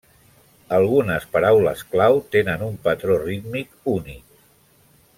Algunes paraules clau tenen un patró rítmic únic.